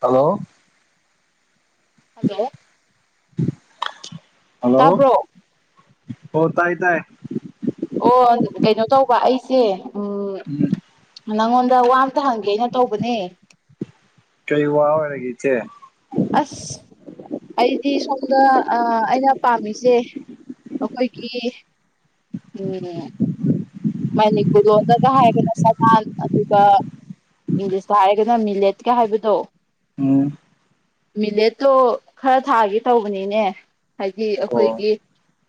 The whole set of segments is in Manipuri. ꯍꯜꯂꯣ ꯍꯜꯂꯣ ꯍꯜꯂꯣ ꯇꯥꯕ꯭ꯔꯣ ꯍ ꯇꯥꯏ ꯇꯥꯏ ꯑꯣ ꯀꯩꯅꯣ ꯇꯧꯕ ꯑꯩꯁꯦ ꯎꯝ ꯅꯪꯉꯣꯟꯗ ꯋꯥ ꯑꯃꯇ ꯍꯪꯒꯦꯩꯅ ꯇꯧꯕꯅꯦ ꯀ ꯏ ꯋꯥꯔꯒꯆꯦ ꯑꯁ ꯑꯩꯗꯤ ꯁꯣꯝꯗ ꯑꯩꯅ ꯄꯥꯝꯃꯤꯁꯦ ꯑꯩꯈꯣꯏꯒꯤ ꯎꯝ ꯃꯅꯤꯄ ꯂꯣꯂꯒ ꯍꯥꯏꯔꯒꯅ ꯁꯥꯟ ꯑꯗꯨꯒ ꯏꯪꯂꯤꯁꯇ ꯍꯥꯏꯔꯒꯅ ꯃꯤꯂꯦꯠꯀ ꯍꯥꯏꯕꯗꯣ ꯑꯣ ꯃꯤꯂꯦꯠꯇꯣ ꯈꯔ ꯊꯥꯒꯦ ꯇꯧꯕꯅꯤꯅꯦ ꯍꯥꯏꯗꯤ ꯑꯣ ꯑꯩꯈꯣꯏꯒꯤ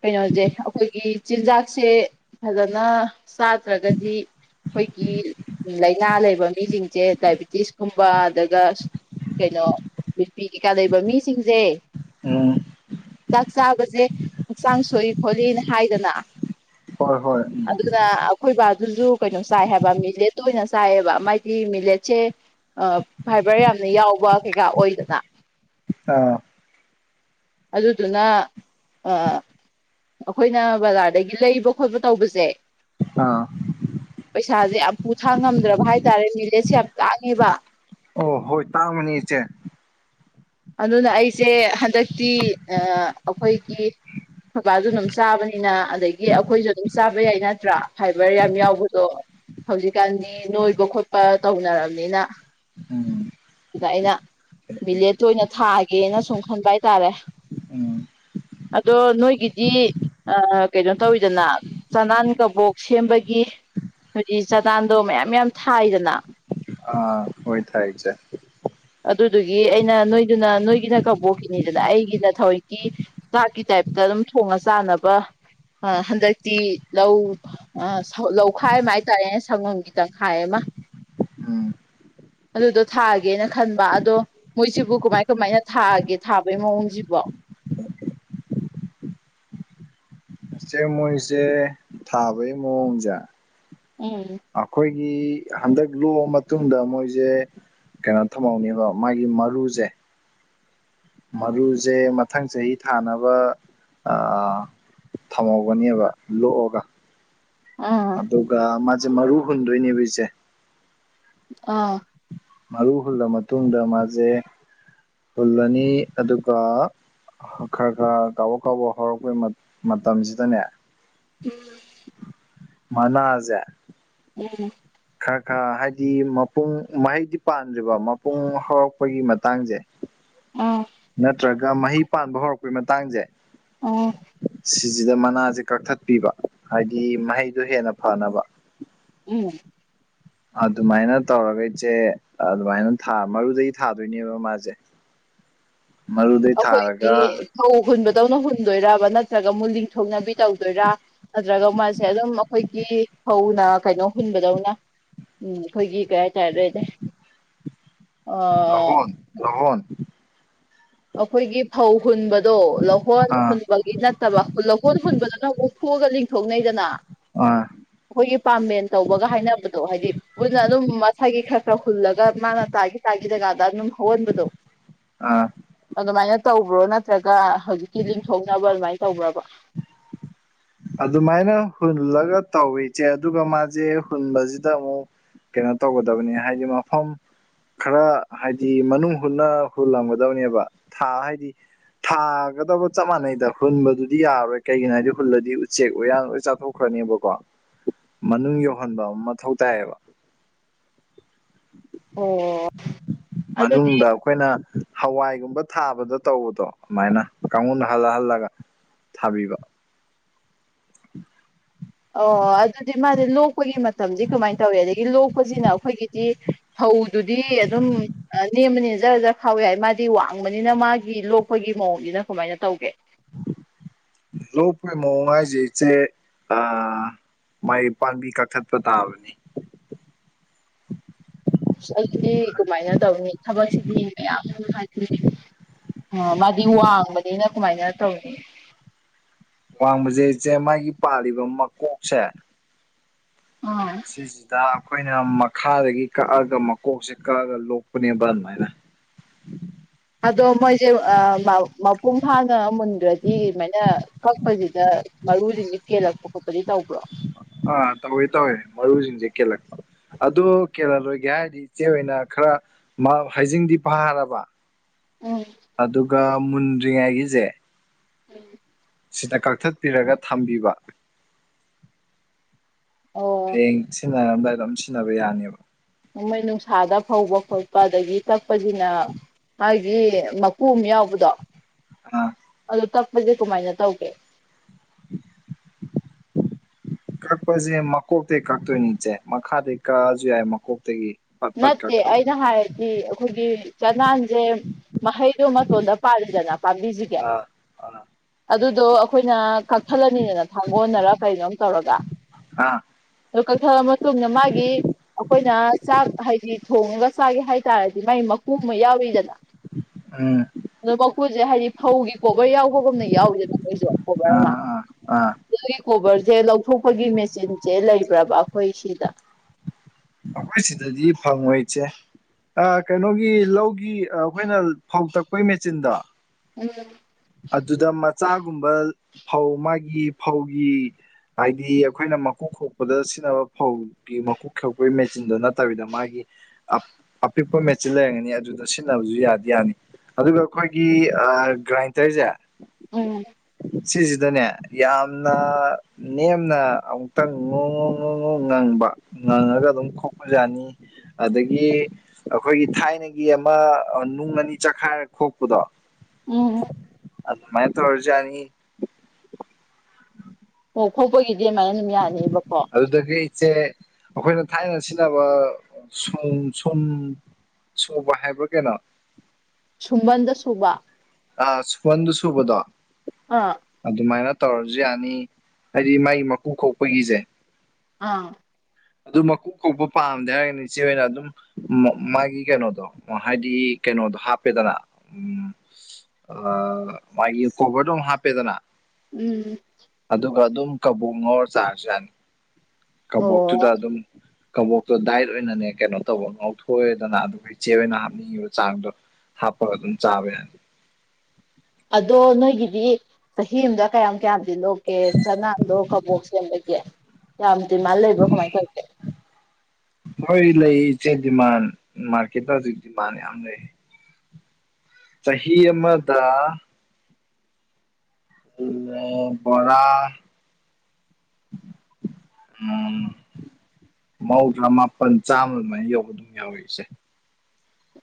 ꯀꯩꯅꯣꯁꯦ ꯑꯩꯈꯣꯏꯒꯤ ꯆꯤꯟꯖꯥꯛꯁꯦ ꯐꯖꯅ ꯆꯥꯗ꯭ꯔꯒꯗꯤ ꯑꯩꯈꯣꯏꯒꯤ ꯂꯥꯏꯅꯥ ꯂꯩꯕ ꯃꯤꯁꯤꯡꯁꯦ ꯗꯥꯏꯕꯤꯇꯤꯁꯀꯨꯝꯕ ꯑꯗꯨꯒ ꯀꯩꯅꯣ ꯅꯨꯄꯤ ꯀꯩꯀꯥ ꯂꯩꯕ ꯃꯤꯁꯤꯡꯁꯦ ꯎꯝ ꯆꯥꯛ ꯆꯥꯕꯁꯦ ꯍꯛꯆꯥꯡ ꯁꯣꯛꯏ ꯈꯣꯠꯂꯤꯅ ꯍꯥꯏꯗꯅ ꯍꯣꯏ ꯍꯣꯏ ꯎꯝ ꯑꯗꯨꯅ ꯑꯩꯈꯣꯏ ꯕꯕꯥꯗꯨꯁꯨ ꯀꯩꯅꯣ ꯆꯥꯏ ꯍꯥꯏꯕ ꯃꯤꯂꯦꯠꯇ ꯑꯣꯏꯅ ꯆꯥꯏꯑꯕ ꯃꯥꯥꯏꯗꯤ ꯃꯤꯂꯦꯠꯁꯦ ꯐꯥꯏꯕꯔ ꯌꯥꯝꯅ ꯌꯥꯎꯕ ꯀꯩꯀꯥ ꯑꯣꯏꯗꯅ ꯑꯥ ꯑꯗꯨꯗꯨꯅ ꯑ ꯑꯩꯈꯣꯏꯅ ꯕꯖꯥꯔꯗꯒꯤ ꯂꯩꯕ ꯈꯣꯠꯄ ꯇꯧꯕꯁꯦ ꯑꯥ ꯄꯩꯁꯥꯁꯦ ꯌꯥꯝ ꯄꯨꯊꯥꯡ ꯉꯝꯗ꯭ꯔꯕ ꯍꯥꯏꯇꯥꯔꯦ ꯃꯤꯂꯦꯠꯁꯦ ꯌꯥꯝ ꯇꯥꯡꯉꯦꯕ ꯑꯣ ꯍꯣꯏ ꯇꯥꯡꯕꯅꯤ ꯏꯆꯦ ꯑꯗꯨꯅ ꯑꯩꯁꯦ ꯍꯟꯗꯛꯇꯤ ꯑꯩꯈꯣꯏꯒꯤ ꯊꯕꯥꯁꯨ ꯑꯗꯨꯝ ꯆꯥꯕꯅꯤꯅ ꯑꯗꯒꯤ ꯑꯩꯈꯣꯏꯁꯨ ꯑꯗꯨꯝ ꯆꯥꯕ ꯌꯥꯏ ꯅꯠꯇ꯭ꯔꯥ ꯐꯥꯏꯕꯔ ꯌꯥꯝ ꯌꯥꯎꯕꯗꯣ ꯍꯧꯖꯤꯛꯀꯥꯟꯗꯤ ꯅꯣꯏꯕ ꯈꯣꯠꯄ ꯇꯧꯅꯔꯕꯅꯤꯅ ꯎꯝ ꯑꯗꯨꯗ ꯑꯩꯅ ꯚꯂꯦꯖꯇ ꯑꯣꯏꯅ ꯊꯥꯛꯑꯒꯦꯅ ꯁꯨꯝ ꯈꯟꯕ ꯍꯥꯏꯇꯥꯔꯦ ꯎꯝ ꯑꯗꯣ ꯅꯣꯏꯒꯤꯗꯤ ꯀꯩꯅꯣ ꯇꯧꯋꯤꯗꯅ ꯆꯅꯥꯟ ꯀꯕꯣꯛ ꯁꯦꯝꯕꯒꯤ ꯍꯧꯗꯤ ꯆꯥꯗꯥꯟꯗꯣ ꯃꯌꯥꯝ ꯃꯌꯥꯝ ꯊꯥꯏꯗꯅ ꯑꯥ ꯍꯣꯏ ꯊꯥꯏꯁ ꯑꯗꯨꯗꯨꯒꯤ ꯑꯩꯅ ꯅꯣꯏꯗꯨꯅ ꯅꯣꯏꯒꯤꯅ ꯀꯧꯕꯣꯛꯈꯤꯅꯤꯗꯅ ꯑꯩꯒꯤꯅ ꯊꯔꯤꯛꯀꯤ ꯆꯥꯛꯀꯤ ꯇꯥꯏꯞꯇ ꯑꯗꯨꯝ ꯊꯣꯡꯉ ꯆꯥꯅꯕ ꯍꯟꯗꯛꯇꯤ ꯂꯧ ꯑ ꯂꯧꯈꯥꯏ ꯑꯃ ꯍꯥꯏꯇꯥꯔꯦꯅꯦ ꯁꯪꯒꯣꯝꯒꯤ ꯇꯪꯈꯥꯏ ꯑꯃ ꯎꯝ ꯑꯗꯨꯗꯣ ꯊꯥꯒꯦꯅ ꯈꯟꯕ ꯑꯗꯣ ꯃꯣꯏꯁꯤꯕꯨ ꯀꯃꯥꯏ ꯀꯃꯥꯏꯅ ꯊꯥꯒꯦ ꯊꯥꯕꯒꯤ ꯃꯑꯣꯡꯁꯤꯕꯣ ꯆꯦ ꯃꯣꯏꯖꯦ ꯊꯕꯩ ꯃꯣꯑꯣꯡꯖꯥ ꯎꯝ ꯑꯩꯈꯣꯏꯒꯤ ꯍꯟꯗꯛ ꯂꯣꯛꯑ ꯃꯇꯨꯡꯗ ꯃꯣꯏꯁꯦ ꯀꯩꯅꯣ ꯊꯝꯍꯧꯅꯦꯕ ꯃꯥꯒꯤ ꯃꯔꯨꯁꯦ ꯃꯔꯨꯁꯦ ꯃꯊꯪ ꯆꯍꯤ ꯊꯥꯅꯕ ꯊꯝꯍꯧꯒꯅꯦꯕ ꯂꯣꯛꯑꯒ ꯑꯥ ꯑꯗꯨꯒ ꯃꯥꯁꯦ ꯃꯔꯨ ꯍꯨꯟꯗꯣꯏꯅꯦꯕ ꯏꯁꯦ ꯑꯥ ꯃꯔꯨ ꯍꯨꯜꯂ ꯃꯇꯨꯡꯗ ꯃꯥꯁꯦ ꯍꯨꯜꯂꯅꯤ ꯑꯗꯨꯒ ꯈꯔ ꯈꯔ ꯀꯥꯎꯕ ꯀꯥꯎꯕ ꯍꯧꯔꯛꯄꯩ ꯃꯇꯝꯁꯤꯗꯅꯦ ꯎꯝ ꯃꯅꯖꯦ ꯎꯅꯦ ꯈꯔ ꯈꯔ ꯍꯥꯏꯗꯤ ꯃꯄꯨꯡ ꯃꯍꯩꯗꯤ ꯄꯥꯟꯗ꯭ꯔꯤꯕ ꯃꯄꯨꯡ ꯍꯧꯔꯛꯄꯒꯤ ꯃꯇꯥꯡꯁꯦ ꯎꯝ ꯅꯠꯇ꯭ꯔꯒ ꯃꯍꯩ ꯄꯥꯟꯕ ꯍꯧꯔꯛꯄꯩ ꯃꯇꯥꯡꯁꯦ ꯑꯥ ꯁꯤꯁꯤꯗ ꯃꯅꯥꯁꯦ ꯀꯛꯊꯠꯄꯤꯕ ꯍꯥꯏꯗꯤ ꯃꯍꯩꯗꯣ ꯍꯦꯟꯅ ꯐꯅꯕ ꯎꯝ ꯑꯗꯨꯃꯥꯏꯅ ꯇꯧꯔꯒ ꯏꯆꯦ ꯑꯗꯨꯃꯥꯏꯅꯥ ꯃꯔꯨꯗꯒꯤ ꯊꯥꯗꯣꯏꯅꯦꯕ ꯃꯥꯁꯦ ꯃꯔꯨꯗꯩ ꯑꯩꯈꯣꯏꯗꯤ ꯊꯥꯔꯒ ꯐꯧ ꯍꯨꯟꯕꯗꯧꯅ ꯍꯨꯟꯗꯣꯏꯕ ꯅꯠꯇ꯭ꯔꯒ ꯃꯨꯜꯂꯤꯟꯊ ꯊꯣꯛꯅꯕꯤ ꯇꯧꯗꯣꯏꯔ ꯅꯠꯇ꯭ꯔꯒ ꯃꯥꯁꯦ ꯑꯗꯨꯝ ꯑꯩꯈꯣꯏꯒꯤ ꯐꯧꯅ ꯀꯩꯅꯣ ꯍꯨꯟꯕꯗꯧꯅ ꯎꯝ ꯑꯩꯈꯣꯏꯒꯤ ꯀꯩ ꯍꯥꯏꯇꯥꯔꯦ ꯑꯗꯨꯗꯤ ꯂꯣꯟ ꯂꯣꯟ ꯑꯩꯈꯣꯏꯒꯤ ꯐꯧ ꯍꯨꯟꯕꯗꯣ ꯂꯧꯍꯣꯟ ꯑꯥ ꯍꯨꯕ ꯅꯠꯇꯕ ꯂꯧꯀꯣꯟ ꯍꯨꯟꯕꯗꯨꯅ ꯑꯃꯨꯛꯊꯣꯛꯑꯒ ꯂꯤꯡꯊꯣꯛꯅꯩꯗꯅ ꯑ ꯑꯩꯈꯣꯏꯒꯤ ꯄꯥꯝꯕꯦꯟ ꯇꯧꯕꯒ ꯍꯥꯏꯅꯕꯗꯣ ꯍꯥꯏꯗꯤ ꯃꯟꯅ ꯑꯗꯨꯝ ꯃꯁꯥꯏꯒꯤ ꯈꯔ ꯈꯔ ꯍꯨꯜꯂꯒ ꯃꯥꯅ ꯇꯥꯈꯤ ꯇꯥꯈꯤ ꯖꯀꯥꯟꯗ ꯑꯗꯨꯝ ꯍꯧꯍꯟꯕꯗꯣ ꯑꯥ ꯑꯗꯨꯃꯥꯏꯅ ꯇꯧꯕ꯭ꯔꯣ ꯅꯠꯇ꯭ꯔꯒ ꯍꯧꯖꯤꯛꯀꯤ ꯂꯤꯡꯊꯣꯛꯅꯕ ꯑꯗꯨꯃꯥꯏꯅ ꯇꯧꯕ꯭ꯔꯕ ꯑꯗꯨꯃꯥꯏꯅ ꯍꯨꯜꯂꯒ ꯇꯧꯋ ꯏꯆꯦ ꯑꯗꯨꯒ ꯃꯥꯁꯦ ꯍꯨꯟꯕꯁꯤꯗ ꯑꯃꯨꯛ ꯀꯩꯅꯣ ꯇꯧꯒꯗꯕꯅꯤ ꯍꯥꯏꯗꯤ ꯃꯐꯝ ꯈꯔ ꯍꯥꯏꯗꯤ ꯃꯅꯨꯡ ꯍꯨꯟꯅ ꯍꯨꯜꯂꯝꯒꯗꯕꯅꯦꯕ ꯊꯥ ꯍꯥꯏꯗꯤ ꯊꯥꯒꯗꯕ ꯆꯞ ꯃꯥꯟꯅꯩꯗ ꯍꯨꯟꯕꯗꯨꯗꯤ ꯌꯥꯔꯣꯏ ꯀꯩꯒꯤꯅꯣ ꯍꯥꯏꯗꯤ ꯍꯨꯜꯂꯗꯤ ꯆꯦꯛ ꯎꯌꯥꯟ ꯂ ꯆꯥꯊꯣꯛꯈ꯭ꯔꯅꯦꯕꯀꯣ ꯃꯅꯨꯡ ꯌꯧꯍꯟꯕ ꯑꯃ ꯃꯊꯧ ꯇꯥꯏꯌꯦꯕ [inaudible] ꯑꯗꯨ ꯃꯅꯤꯗꯥꯛ ꯑꯩꯈꯣꯏꯅ ꯍꯋꯥꯏꯒꯨꯝꯕ ꯊꯥꯕꯗ ꯇꯧꯕꯗꯣ ꯑꯗꯨꯃꯥꯏꯅ ꯀꯥꯡꯈꯨꯗ ꯍꯜꯂ ꯍꯜꯂꯒ ꯊꯥꯕꯤꯕ ꯑꯣ ꯑꯗꯨꯗꯤ ꯃꯥꯁꯦ ꯂꯣꯛꯄꯒꯤ ꯃꯇꯝꯗꯤ ꯀꯃꯥꯏꯅ ꯇꯧꯏꯤ ꯑꯗꯒꯤ ꯂꯣꯛꯄꯁꯤꯅ ꯑꯩꯈꯣꯏꯒꯤꯗꯤ ꯐꯧꯗꯨꯗꯤ ꯑꯗꯨꯝ ꯅꯦꯝꯕꯅꯤꯅ ꯖꯔ ꯖꯔ ꯈꯥꯎꯋ ꯍꯥꯏꯏ ꯃꯥꯗꯤ ꯋꯥꯡꯕꯅꯤꯅ ꯃꯥꯒꯤ ꯂꯣꯛꯄꯒꯤ ꯃꯑꯣꯡꯁꯤꯅ ꯀꯃꯥꯏꯅ ꯇꯧꯒꯦ [inaudible] ꯂꯣꯄꯣꯏ ꯃꯑꯣꯉ ꯍꯥꯏꯖꯦ ꯏꯆꯦ ꯑ ꯃꯥꯏ ꯄꯥꯝꯕꯤ ꯀꯛꯈꯠꯄ ꯇꯥꯕꯅꯤ ꯑꯁ ꯑꯗꯨꯗꯤ ꯀꯃꯥꯏꯅ ꯇꯧꯅꯤ ꯊꯕꯛꯁꯤꯗꯤ ꯃꯌꯥꯝ ꯅꯨꯡꯉꯥꯏ ꯑꯣ ꯃꯥꯗꯤ ꯋꯥꯡꯕꯅꯤꯅ ꯀꯃꯥꯏꯅ ꯇꯧꯔꯤ ꯋꯥꯡꯕꯖꯦ ꯏꯆꯦ ꯃꯥꯒꯤ ꯄꯥꯜꯂꯤꯕ ꯃꯀꯣꯛꯁꯦ ꯑꯥ ꯁꯤꯁꯤꯗ ꯑꯩꯈꯣꯏꯅ ꯃꯈꯥꯗꯒꯤ ꯀꯛꯑꯒ ꯃꯀꯣꯛꯁꯦ ꯀꯛꯑꯒ ꯂꯣꯛꯄꯅꯦꯕ ꯑꯗꯨꯃꯥꯏꯅ ꯑꯗꯣ ꯃꯣꯏꯁꯦ ꯃꯄꯨꯡ ꯐꯥꯅ ꯃꯨꯟꯈ꯭ꯔꯗꯤ ꯑꯗꯨꯃꯥꯏꯅ ꯑꯩꯈꯣꯏꯁꯤꯗ ꯃꯔꯨꯁꯤꯗꯤ ꯀꯦꯜꯂꯛꯄ ꯈꯣꯠꯄꯗꯤ ꯇꯧꯕ꯭ꯔꯣ ꯑꯥ ꯇꯧꯋꯦ ꯇꯧꯋꯦ ꯃꯔꯨꯁꯤꯡꯁꯦ ꯀꯦꯜꯂꯛꯄ ꯑꯗꯨ ꯀꯦꯔꯜ ꯂꯣꯏꯒꯦ ꯍꯥꯏꯔꯗꯤ ꯏꯆꯦ ꯑꯣꯏꯅ ꯈꯔ ꯃꯥ ꯍꯩꯖꯤꯡꯗꯤ ꯐꯥꯔꯕ ꯎꯝ ꯑꯗꯨꯒ ꯃꯨꯟꯗ꯭ꯔꯤꯉꯥꯏꯒꯤꯁꯦ ꯎꯝ ꯁꯤꯗ ꯀꯛꯊꯠꯄꯤꯔꯒ ꯊꯝꯕꯤꯕ ꯑꯣ ꯍꯌꯦꯡ ꯁꯤꯟꯅꯔꯝꯗꯥꯏ ꯑꯗꯨꯝ ꯁꯤꯖꯤꯟꯅꯕ ꯌꯥꯅꯦꯕ ꯅꯣꯡꯃꯩ ꯅꯨꯡꯁꯥꯗ ꯐꯧꯕ ꯈꯣꯠꯄ ꯑꯗꯒꯤ ꯇꯛꯄꯁꯤꯅ ꯃꯥꯗꯤ ꯃꯀꯨ ꯑꯃ ꯌꯥꯎꯕꯗꯣ ꯑ ꯑꯗꯣ ꯇꯛꯄꯁꯦ ꯀꯃꯥꯏꯅ ꯇꯧꯒꯦ ꯀꯛꯄꯁꯦ ꯃꯀꯣꯛꯇ ꯀꯛꯇꯣꯏꯅꯤ ꯏꯆꯦ ꯃꯈꯥꯗ ꯀꯛꯑꯁꯨ ꯌꯥꯏ ꯃꯀꯣꯛꯇꯒꯤ ꯄꯠ ꯄꯠ ꯅꯠꯇꯦ ꯀꯛꯊꯠꯂꯣ ꯑꯩꯅ ꯍꯥꯏꯔꯗꯤ ꯑꯩꯈꯣꯏꯒꯤ ꯆꯅꯥꯟꯁꯦ ꯃꯍꯩꯗꯣ ꯃꯇꯣꯟꯗ ꯄꯥꯜꯂꯤꯗꯅ ꯄꯥꯝꯕꯤꯁꯤꯒꯦ ꯑꯥ ꯑꯥ ꯑꯗꯨꯗꯣ ꯑꯩꯈꯣꯏꯅ ꯀꯛꯊꯠꯂꯅꯤꯗꯅ ꯊꯥꯡꯒꯣꯟꯜꯅꯔ ꯀꯩꯅꯣꯝ ꯇꯧꯔꯒ ꯑꯥ ꯑꯗꯨ ꯀꯛꯊꯔ ꯃꯇꯨꯡꯗ ꯃꯥꯒꯤ ꯑꯩꯈꯣꯏꯅ ꯆꯥꯛ ꯍꯥꯏꯗꯤ ꯊꯣꯡꯉꯒ ꯆꯥꯒꯦ ꯍꯥꯏꯇꯥꯔꯗꯤ ꯃꯥꯒꯤ ꯃꯀꯨ ꯑꯃ ꯌꯥꯎꯔꯤꯗꯅ ꯎꯝ ꯑꯣ ꯃꯀꯨꯜꯁꯦ ꯍꯥꯏꯗꯤ ꯐꯧꯒꯤ ꯀꯣꯕꯔ ꯌꯥꯎꯕꯒꯨꯝꯅ ꯌꯥꯎꯔꯤꯗꯅ ꯅꯣꯏꯁꯨ ꯀꯣꯕꯔ ꯑꯃ ꯑꯥ ꯑꯥ ꯑꯥ ꯑꯗꯨꯒꯤ ꯀꯣꯕꯔꯁꯦ ꯂꯧꯊꯣꯛꯄꯒꯤ ꯃꯦꯆꯤꯟꯁꯦ ꯂꯩꯕ꯭ꯔꯕ ꯑꯩꯈꯣꯏ ꯁꯤꯗ ꯑꯩꯈꯣꯏ ꯁꯤꯗꯗꯤ ꯐꯪꯉꯣꯏꯁꯦ ꯀꯩꯅꯣꯒꯤ ꯂꯧꯒꯤ ꯑꯩꯈꯣꯏꯅ ꯐꯧ ꯇꯛꯄꯒꯤ ꯃꯦꯆꯤꯟꯗꯣ ꯎꯝ ꯑꯗꯨꯗ ꯃꯆꯥꯒꯨꯝꯕ ꯐꯧ ꯃꯥꯒꯤ ꯐꯧꯒꯤ ꯍꯥꯏꯗꯤ ꯑꯩꯈꯣꯏꯅ ꯃꯀꯨ ꯈꯣꯛꯄꯗ ꯁꯤꯖꯤꯟꯅꯕ ꯐꯧ ꯃꯀꯨ ꯈꯦꯄꯒꯤ ꯃꯦꯆꯤꯟꯗ ꯅꯠꯇꯕꯤꯗ ꯃꯥꯒꯤ ꯑꯄꯤꯛꯄ ꯃꯦꯆꯤꯟ ꯂꯩꯔꯒꯅꯤ ꯑꯗꯨꯗ ꯁꯤꯖꯤꯟꯅꯕꯁꯨ ꯌꯥꯗꯤ ꯌꯥꯅꯤ ꯑꯗꯨꯒ ꯑꯩꯈꯣꯏꯒꯤ ꯑꯥ ꯒ꯭ꯔꯥꯏꯟꯗꯔꯁꯦ ꯎꯝ ꯁꯤꯁꯤꯗꯅꯦ ꯌꯥꯝꯅ ꯅꯦꯝꯅ ꯑꯃꯨꯛꯇꯪ ꯉꯣꯡ ꯉꫭꯡ ꯉꫭꯡ ꯉꫭꯡ ꯉꯪꯕ ꯉꯪꯉꯒ ꯑꯗꯨꯝ ꯈꯣꯛꯄ ꯌꯥꯅꯤ ꯑꯗꯒꯤ ꯑꯩꯈꯣꯏꯒꯤ ꯊꯥꯏꯅꯒꯤ ꯑꯃ ꯅꯨꯡ ꯑꯅꯤ ꯆꯥꯛꯈꯥꯏꯔ ꯈꯣꯛꯄꯗꯣ ꯎꯝ ꯑꯗꯨꯃꯥꯏ ꯇꯧꯔꯖꯨ ꯌꯅꯤ ꯑꯣ ꯈꯣꯠꯄꯒꯤꯗꯤ ꯑꯗꯨꯃꯥꯏꯅ ꯑꯗꯨꯝ ꯌꯥꯅꯤꯕꯀꯣ ꯑꯗꯨꯗꯒꯤ ꯏꯆꯦ ꯑꯩꯈꯣꯏꯅ ꯊꯥꯏꯅ ꯁꯤꯖꯤꯟꯅꯕ ꯁꯨꯝ ꯁꯨꯝ ꯁꯨꯕ ꯍꯥꯏꯕ꯭ꯔꯥ ꯀꯩꯅꯣ ꯁꯨꯝꯕꯟꯗ ꯁꯨꯕ ꯑ ꯁꯨꯝꯕꯟꯗꯁꯨꯨꯕꯗꯣ ꯑꯥ ꯑꯗꯨꯃꯥꯏꯅ ꯇꯧꯔꯁꯨ ꯌꯥꯅꯤ ꯍꯥꯏꯗꯤ ꯃꯥꯏ ꯃꯀꯨ ꯈꯣꯛꯄꯒꯤꯁꯦ ꯑꯥ ꯑꯗꯨ ꯃꯀꯨ ꯀꯣꯛꯄ ꯄꯥꯝꯗꯦ ꯍꯥꯏꯔꯒꯅ ꯏꯆꯦ ꯍꫭꯏꯅ ꯑꯗꯨꯝ ꯃꯥꯒꯤ ꯀꯩꯅꯣꯗꯣ ꯍꯥꯏꯗꯤ ꯀꯩꯅꯣꯗꯣ ꯍꯥꯞꯄꯦꯗꯅ ꯎꯝ ꯑ ꯃꯥꯒꯤ ꯀꯣꯕꯔꯗꯣ ꯑꯃ ꯍꯥꯞꯄꯦꯗꯅ ꯎꯝ ꯑꯗꯨꯒ ꯑꯗꯨꯝ ꯀꯕꯣꯛ ꯉꯧꯔ ꯆꯥꯔꯖꯨ ꯌꯥꯅꯤ ꯀꯕꯣꯛꯇꯨꯗ ꯑꯣ ꯑꯗꯨꯝ ꯀꯕꯣꯛꯇꯣ ꯗꯥꯏꯠ ꯑꯣꯏꯅꯅꯦ ꯀꯩꯅꯣ ꯇꯧꯕ ꯉꯥꯎꯊꯣꯛꯑꯦꯗꯅ ꯑꯗꯨꯒ ꯏꯆꯦ ꯍꫭꯏꯅ ꯍꯥꯞꯅꯤꯡꯉꯤꯕ ꯆꯥꯡꯗꯣ ꯍꯥꯞꯄ ꯑꯗꯨꯝ ꯆꯕꯥꯌꯅꯤ ꯑꯗꯣ ꯅꯣꯏꯒꯤꯗꯤ ꯆꯍꯤ ꯑꯃꯗ ꯀꯌꯥꯝ ꯀꯌꯥꯗꯤ ꯂꯣꯛꯀꯦ ꯆꯅꯥꯟꯗꯣ ꯀꯕꯣꯛ ꯁꯦꯝꯕꯒꯦ ꯌꯥꯝ ꯗꯤꯃꯥꯜ ꯂꯩꯕ꯭ꯔꫭ ꯀꯃꯥꯏꯅ ꯇꯧꯒꯦ ꯍꯣꯏ ꯂꯩ ꯏꯆꯦ ꯗꯤꯃꯥꯟ ꯃꯥꯔꯀꯦꯠꯇ ꯍꯧꯖꯤꯛ ꯗꯤꯃꯥꯟ ꯌꯥꯝ ꯂꯩ ꯆꯍꯤ ꯑꯃꯗ ꯕꫭꯔꯥ ꯎꯝ ꯃꯧꯗ꯭ꯔꯥ ꯃꯥꯄꯜ ꯆꯥꯝꯃ ꯑꯗꯨꯃꯥꯏꯅ ꯌꯧꯕ ꯑꯗꯨꯝ ꯌꯥꯎꯋꯦ ꯁꯦ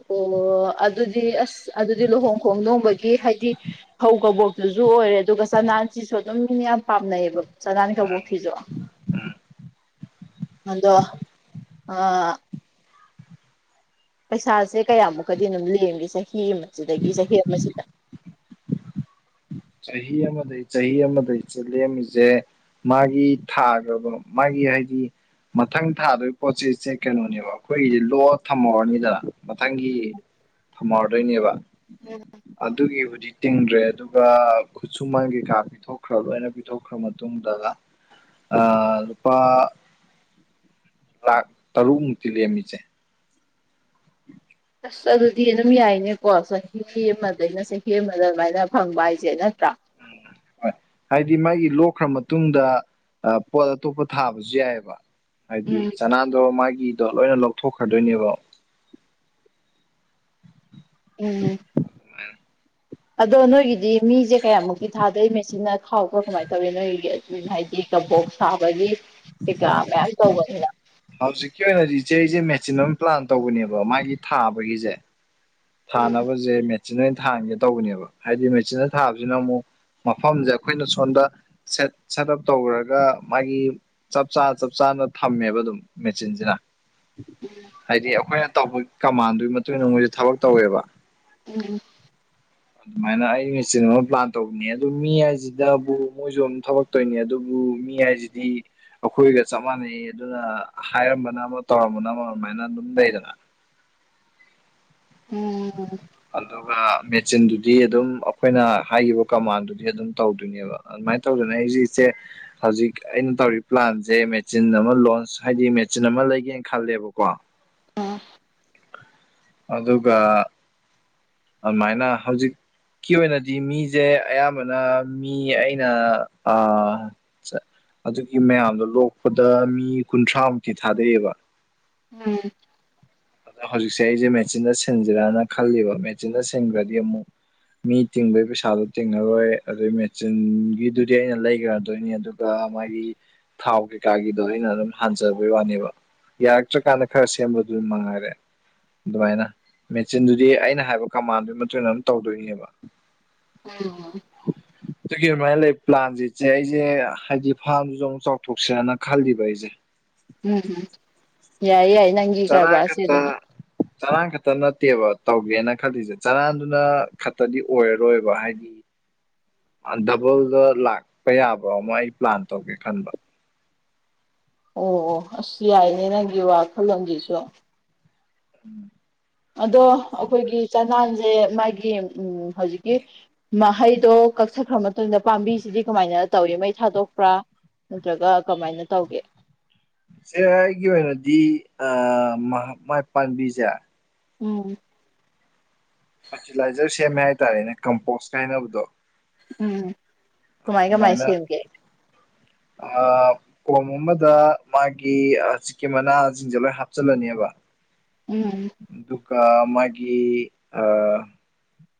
ꯑꯣ ꯑꯗꯨꯗꯤ ꯑꯁ ꯑꯗꯨꯗꯤ ꯂꯨꯍꯣꯡ ꯈꯣꯡ ꯗꫭꯡꯕꯒꯤ ꯍꯥꯏꯗꯤ ꯐꯧ ꯀꯧꯕꯕꯣꯛꯇꯨꯁꯨ ꯑꯣꯏꯔꯦ ꯑꯗꯨꯒ ꯆꯅꯥꯟꯁꯤꯁꯨ ꯑꯗꯨꯝ ꯃꯤ ꯌꯥꯝ ꯄꯥꯝꯅꯩꯑꯕ ꯆꯅꯥꯟ ꯀꯣꯛꯁꯤꯁꯨ ꯃꯗꯣ ꯑꯥ ꯄꯩꯁꯥꯁꯦ ꯀꯌꯥꯃꯨꯛꯀꯗꯤ ꯑꯗꯨꯝ ꯂꯦꯝꯃꯤ ꯆꯍꯤ ꯑꯃꯁꯤꯗꯒꯤ ꯆꯍꯤ ꯑꯃꯁꯤꯗ ꯆꯍꯤ ꯑꯃꯗꯩ ꯆꯍꯤ ꯑꯃꯗꯩꯁꯦ ꯂꯦꯝꯃꯤꯁꯦ ꯃꯥꯒꯤ ꯊꯥꯈꯕꯣ ꯃꯥꯒꯤ ꯍꯥꯏꯗꯤ ꯃꯊꯪ ꯊꯥꯗꯣꯏ ꯄꯣꯠꯁꯦ ꯏꯆ‌ꯦ ꯀꯩꯅꯣꯅꯦꯕ ꯑꯩꯈꯣꯏꯒꯤꯁꯦ ꯂꯣꯛꯑ ꯊꯝꯃꯧꯔꯅꯤꯗꯅ ꯃꯊꯪꯒꯤ ꯊꯝꯍꯧꯔꯗꯣꯏꯅꯦꯕ ꯎꯝ ꯑꯗꯨꯒꯤ ꯍꯧꯖꯤꯛ ꯇꯤꯡꯗ꯭ꯔꯦ ꯑꯗꯨ ꯈꯨꯠꯁꯨꯃꯟ ꯀꯩꯀꯥ ꯄꯤꯊꯣꯛꯈ꯭ꯔ ꯂꯣꯏꯅ ꯄꯤꯊꯣꯛꯈ꯭ꯔ ꯃꯇꯨꯡꯗꯒ ꯑ ꯂꯨꯄꯥ ꯂꯥꯛ ꯇꯔꯨꯛꯃꯨꯛꯇꯤ ꯂꯝꯃꯤ ꯏꯆ‌ꯦ ꯑꯁ ꯑꯗꯨꯗꯤ ꯑꯗꯨꯝ ꯌꯥꯏꯅꯦꯀꯣ ꯆꯍꯤ ꯑꯃꯗꯩꯅ ꯆꯍꯤ ꯑꯃꯗ ꯑꯗꯨꯃꯥꯏꯅ ꯐꯪꯕ ꯍꯥꯏꯁꯦ ꯅꯠꯇ꯭ꯔꯥ ꯍꫭꯏ ꯍꯥꯏꯗꯤ ꯃꯥꯒꯤ ꯂꯣꯛꯈ꯭ꯔ ꯃꯇꯨꯡꯗ ꯑꯥꯠꯄꯣꯠ ꯑꯇꯣꯞꯄ ꯊꯥꯕꯁꯨ ꯌꯥꯏꯑꯕ ꯍꯥꯏꯗꯤ ꯎꯝ ꯆꯅꯥꯟꯗꯣ ꯃꯥꯒꯤꯗꯣ ꯂꯣꯏꯅ ꯂꯧꯊꯣꯛꯈ꯭ꯔꯗꯣꯏꯅꯦꯕ ꯎꯝ ꯑꯗꯣ ꯅꯣꯏꯒꯤꯗꯤ ꯃꯤꯁꯦ ꯀꯌꯥꯃꯨꯛꯇꯤ ꯊꯥꯗꯣꯏ ꯃꯦꯆꯅ ꯈꯥꯎꯕ꯭ꯔꯥ ꯀꯃꯥꯏꯅ ꯇꯧꯋꯤ ꯅꯣꯏꯒꯤ ꯑꯗꯨ ꯍꯥꯏꯗꯤ ꯀꯕꯣꯛ ꯁꯥꯕꯒꯤ ꯀꯩꯀꯥ ꯃꯌꯥꯝ ꯇꯧꯕꯅꯤꯅ ꯍꯧꯖꯤꯛꯀꯤ ꯑꯣꯏꯅꯗꯤ ꯏꯆꯦ ꯑꯩꯁꯦ ꯃꯦꯆꯤꯟ ꯑꯃ ꯄ꯭ꯂꯥꯟ ꯇꯧꯕꯅꯦꯕ ꯃꯥꯒꯤ ꯊꯥꯕꯒꯤꯁꯦ ꯎꯝ ꯊꯥꯅꯕꯁꯦ ꯃꯦꯆꯤꯟ ꯑꯣꯏꯅ ꯊꯥꯡꯒꯦ ꯇꯧꯕꯅꯦꯕ ꯍꯥꯏꯗꯤ ꯃꯦꯆꯤ ꯑꯣꯏꯅ ꯊꯥꯕꯁꯤꯅ ꯑꯃꯨꯛ ꯃꯐꯝꯁꯦ ꯑꯩꯈꯣꯏꯅ ꯁꯣꯝꯗ ꯁꯦꯠ ꯁꯦꯠ ꯑꯞ ꯇꯧꯔꯒ ꯃꯥꯒꯤ ꯆꯞ ꯆꯥꯅ ꯆꯞ ꯆꯥꯅ ꯊꯝꯃꯦꯕ ꯑꯗꯨꯝ ꯃꯦꯆꯤꯟꯁꯤꯅ ꯍꯥꯏꯗꯤ ꯑꯩꯈꯣꯏꯅ ꯇꯧꯕ ꯀꯃꯥꯟꯗꯨꯒꯤ ꯃꯇꯨꯡ ꯏ ꯃꯣꯏꯁꯦ ꯊꯕꯛ ꯇꯧꯋꯦꯕ ꯎꯝ ꯑꯗꯨꯃꯥꯏꯅ ꯑꯩ ꯃꯦꯆꯤꯟ ꯑꯃ ꯄ꯭ꯂꯥꯟ ꯇꯧꯕꯅꯦ ꯑꯗꯨ ꯃꯤ ꯍꯥꯏꯁꯤꯗꯕꯨ ꯃꯣꯏꯁꯨ ꯑꯗꯨꯝ ꯊꯕꯛ ꯆꯠꯇꯣꯏꯅꯤ ꯑꯗꯨꯕꯨ ꯃꯤ ꯍꯥꯏꯁꯤꯗꯤ ꯑꯩꯈꯣꯏꯒ ꯆꯞ ꯃꯥꯟꯅꯩ ꯑꯗꯨꯅ ꯍꯥꯏꯔꯝꯕꯅ ꯑꯃ ꯇꯧꯔꯝꯕꯅ ꯑꯃ ꯑꯗꯨꯃꯥꯏꯅ ꯑꯗꯨꯝ ꯂꯩꯗꯅ ꯎꯝ ꯑꯗꯨꯒ ꯃꯦꯆꯤꯟꯗꯨꯗꯤ ꯑꯗꯨꯝ ꯑꯩꯈꯣꯏꯅ ꯍꯥꯏꯈꯤꯕ ꯀꯃꯥꯟꯗꯨꯗꯤ ꯑꯗꯨꯝ ꯇꯧꯗꯣꯏꯅꯦꯕ ꯑꯗꯨꯃꯥꯏꯅ ꯇꯧꯗꯅ ꯑꯩꯁꯦ ꯏꯆꯦ ꯍꯧꯖꯤꯛ ꯑꯩꯅ ꯇꯧꯔꯤꯕ ꯄ꯭ꯂꯥꯟꯁꯦ ꯃꯦꯆꯤꯟ ꯑꯃ ꯂꯣꯟꯆ ꯍꯥꯏꯗꯤ ꯃꯦꯆꯤꯟ ꯑꯃ ꯂꯩꯒꯦꯅ ꯈꯜꯂꯦꯕꯀꯣ ꯑꯗꯨꯒ ꯑꯗꯨꯃꯥꯏꯅ ꯍꯧꯖꯤꯛ ꯀ ꯑꯣꯏꯅꯗꯤ ꯃꯤꯁꯦ ꯑꯌꯥꯝꯕꯅ ꯃꯤ ꯑꯩꯅ ꯑꯗꯨꯒꯤ ꯃꯌꯥꯝꯗꯣ ꯂꯣꯛꯄꯗ ꯃꯤ ꯀꯨꯟꯊ꯭ꯔꯥꯃꯨꯛꯇꯤ ꯊꯥꯗꯩꯑꯦꯕ ꯎꯝ ꯍꯧꯖꯤꯛꯁꯦ ꯑꯩꯁꯦ ꯃꯦꯆꯤꯟꯟꯅ ꯁꯤꯟꯁꯤꯔꯅ ꯈꯜꯂꯤꯕ ꯃꯦꯆꯤꯗ ꯁꯤꯟꯈ꯭ꯔꯗꯤ ꯑꯃꯨꯛ ꯃꯤ ꯇꯤꯡꯕꯒꯤ ꯄꯩꯁꯥꯗꯣ ꯇꯤꯡꯉꯔꯣꯏ ꯑꯗꯨꯒꯤ ꯃꯦꯆꯤꯟꯒꯤꯗꯨꯗꯤ ꯑꯩꯅ ꯂꯩꯈ꯭ꯔꯗꯣꯏꯅꯤ ꯑꯗꯨ ꯑ ꯃꯥꯗꯤ ꯊꯥꯎ ꯀꯩꯀꯥꯒꯤꯗꯣ ꯑꯩꯅ ꯑꯗꯨꯝ ꯍꯥꯟꯖꯕꯩ ꯋꯥꯅꯦꯕ ꯌꯥꯔꯛꯇ꯭ꯔꯀꯥꯟꯗ ꯈꯔ ꯁꯦꯝꯕꯗꯨ ꯃꯉ ꯔꯦ ꯑꯗꯨꯃꯥꯏꯅ ꯃꯦꯆꯤꯟꯗꯨꯗꯤ ꯑꯩꯅ ꯍꯥꯏꯕ ꯀꯃꯥꯟꯗꯨꯒꯤ ꯃꯇꯨꯡꯟꯅ ꯑꯗꯨꯝ ꯇꯧꯗꯣꯏꯅꯦꯕ [unintelligible] ꯑꯗꯨꯒꯤ ꯑꯗꯨꯃꯥꯏꯅ ꯂꯩ ꯄ꯭ꯂꯥꯟꯁꯤꯠꯁꯦ ꯑꯩꯁꯦ ꯍꯥꯏꯗꯤ ꯐꯥꯔꯝꯗꯨꯁꯨ ꯑꯃꯨꯛ ꯆꯥꯎꯊꯣꯛꯁꯦꯅ ꯈꯜꯂꯤꯕ ꯑꯩꯁꯦ ꯎꯝ ꯎꯝ ꯌꯥꯏ ꯌꯥꯏ ꯅꯪꯒꯤ ꯀꯔꯕꯥꯔꯁꯦ ꯑꯗꯨꯝ ꯆꯔꯥꯟ ꯈꯛꯇ ꯅꯠꯇꯦꯕ ꯇꯧꯒꯦꯅ ꯈꯜꯂꯤꯁꯦ ꯆꯔꯥꯟꯗꯨꯅ ꯈꯛꯇꯗꯤ ꯑꯣꯏꯔꯔꯣꯏꯕ ꯍꯥꯏꯗꯤ [inaudible] ꯗꯕꯜꯗ ꯂꯥꯛꯄ ꯌꯥꯕ꯭ꯔꯣ ꯑꯃ ꯑꯩ ꯄ꯭ꯂꯥꯟ ꯇꯧꯒꯦ ꯈꯟꯕ ꯑꯣ ꯑꯣ ꯑꯁ ꯌꯥꯏꯅꯦ ꯅꯪꯒꯤ ꯋꯥꯈꯜꯂꯣꯟꯁꯤꯁꯨ ꯎꯝ ꯑꯗꯣ ꯑꯩꯈꯣꯏꯒꯤ ꯆꯅꯥꯟꯁꯦ ꯃꯥꯒꯤ ꯎ ꯍꯧꯖꯤꯛꯀꯤ ꯃꯍꯩꯗꯣ ꯀꯛꯊꯠꯈ꯭ꯔ ꯃꯇꯨꯡꯗ ꯄꯥꯝꯕꯤꯁꯤꯗꯤ ꯀꯃꯥꯏꯅ ꯇꯧꯏ ꯃꯩ ꯊꯥꯗꯣꯛꯄ꯭ꯔꯥ ꯅꯠꯇ꯭ꯔꯒ ꯀꯃꯥꯏꯅ ꯇꯧꯒꯦ ꯁꯦ ꯑꯩꯒꯤ ꯑꯣꯏꯅꯗꯤ ꯃꯥꯏ ꯄꯥꯝꯕꯤꯁꯦ ꯎꯝ ꯐꯔꯇꯤꯂꯥꯏꯖꯔ ꯁꯦꯝꯃꯦ ꯍꯥꯏꯇꯥꯔꯦꯅꯦ ꯀꯝꯄꯣꯁ ꯀꯥꯏꯅꯕꯗꯣ ꯎꯝ ꯀꯃꯥꯏ ꯀꯃꯥꯏ ꯑꯗꯨꯃꯥꯏꯅ ꯁꯦꯝꯒꯦ ꯑ ꯀꯣꯝ ꯑꯃꯗ ꯃꯥꯒꯤ ꯆꯤꯛꯀꯤ ꯃꯅꯥꯁꯤꯡꯁꯦ ꯂꯣꯏ ꯍꯥꯞꯆꯤꯜꯂꯅꯦꯕ ꯎꯝ ꯑꯗꯨꯒ ꯃꯥꯒꯤ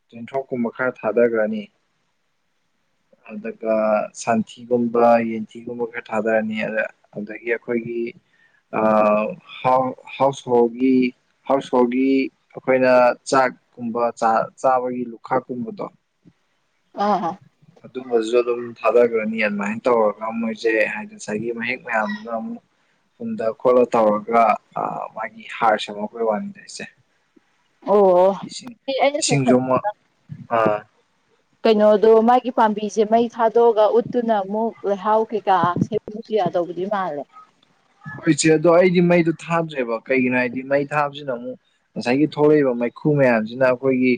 ꯆꯦꯟꯊꯣꯛꯀꯨꯝꯕ ꯈꯔ ꯊꯥꯗꯈ꯭ꯔꯅꯤ ꯑꯗꯨꯒ ꯁꯟꯊꯤꯒꯨꯝꯕ ꯌꯦꯟꯊꯤꯒꯨꯝꯕ ꯈꯔ ꯊꯥꯗꯔꯅꯤ ꯑꯗ ꯑꯗꯒꯤ ꯑꯩꯈꯣꯏꯒꯤꯥꯎ ꯍꯥꯎꯁ ꯍꯣꯜꯒꯤ ꯍꯥꯎꯁ ꯍꯣꯜꯒꯤ ꯑꯩꯈꯣꯏꯅ ꯆꯥꯛꯀꯨꯝꯕ ꯆꯥꯕꯒꯤ ꯂꯨꯈꯥꯛꯀꯨꯝꯕꯗꯣ ꯑ ꯑꯗꯨꯝꯕꯗꯨꯁꯨ ꯑꯗꯨꯝ ꯊꯥꯗꯈ꯭ꯔꯅꯤ ꯑꯗꯨꯃꯥꯏꯅ ꯇꯧꯔꯒ ꯃꯣꯏꯁꯦ ꯍꯥꯏ ꯁꯒꯤ ꯍ ꯄꯨꯨꯟꯗ ꯈꯣꯠꯂ ꯇꯧꯔꯒ ꯃꯥꯒꯤ ꯍꯥꯔꯁꯤ ꯑꯃ ꯑꯩꯈꯣꯏ ꯋꯥꯟꯗꯔꯤꯁꯦ ꯑꯣ ꯏꯁꯤꯡ ꯑꯩꯅ ꯁꯨꯝ ꯏꯁꯤꯡ ꯈꯟ ꯌꯃ ꯑ ꯀꯩꯅꯣꯗꯣ ꯃꯥꯒꯤ ꯄꯥꯝꯕꯤꯁꯦ ꯃꯩ ꯊꯥꯗꯣꯛꯑꯒ ꯎꯠꯇꯨꯅ ꯑꯃꯨꯛ ꯂꯩꯍꯥꯎ ꯀꯩꯀꯥ ꯁꯦꯝ ꯇ ꯌꯥꯗꯧꯕꯗꯤ ꯃꯥꯜꯂꯦ ꯎꯠꯁꯦ ꯑꯗꯣ ꯑꯩꯗꯤ ꯃꯩꯗꯣ ꯊꯥꯗ꯭ꯔꯦꯕ ꯀꯩꯒꯤꯅꯣ ꯍꯥꯏꯗꯤ ꯃꯩ ꯊꯥꯕꯁꯤꯅ ꯑꯃꯨꯛ ꯉꯁꯥꯏꯒꯤ ꯊꯣꯛꯂꯛꯏꯕ ꯃꯩꯈꯨ ꯃꯌꯥꯝꯁꯤꯅ ꯑꯩꯈꯣꯏꯒꯤ